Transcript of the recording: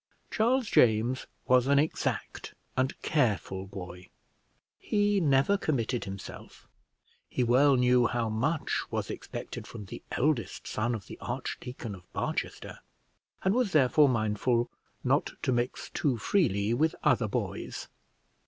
Charles James was an exact and careful boy; he never committed himself; he well knew how much was expected from the eldest son of the Archdeacon of Barchester, and was therefore mindful not to mix too freely with other boys.